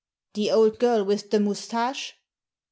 "The old girl with the moustache?"